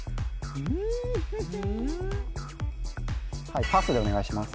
うんはいパスでお願いします